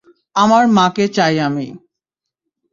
আমার মাকে চাই আমি।